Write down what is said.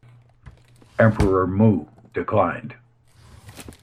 Emperor Mu declined.